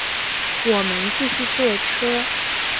我们继续坐车